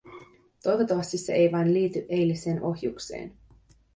Toivottavasti se ei vain liity eiliseen ohjukseen.